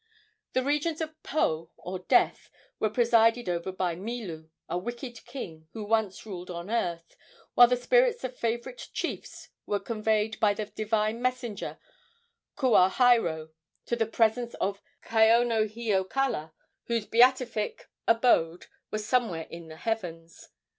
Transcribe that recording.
The regions of Po, or death, were presided over by Milu, a wicked king who once ruled on earth, while the spirits of favorite chiefs were conveyed by the divine messenger Kuahairo to the presence of Kaono hio kala, whose beatific abode was somewhere in the heavens.